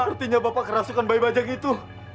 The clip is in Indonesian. sepertinya bapak kerasukan bayi bajang itu